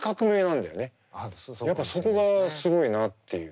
やっぱそこがすごいなっていう。